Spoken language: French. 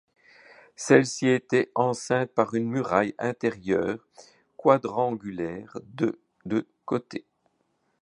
Celle-ci était enceinte par une muraille intérieure quadrangulaire de de côtés.